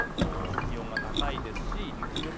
気温が高いですし予想